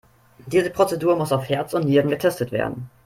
Diese Prozedur muss auf Herz und Nieren getestet werden.